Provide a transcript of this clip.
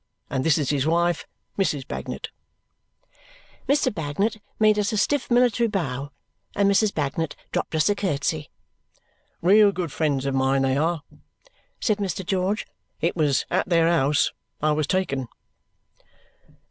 And this is his wife, Mrs. Bagnet." Mr. Bagnet made us a stiff military bow, and Mrs. Bagnet dropped us a curtsy. "Real good friends of mine, they are," sald Mr. George. "It was at their house I was taken."